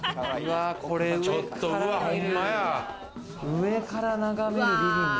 上から眺めるリビング。